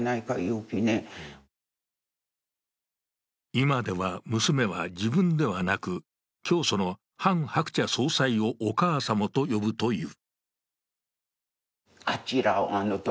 今では娘は自分ではなく、教祖のハン・ハクチャ総裁をお母様と呼ぶという。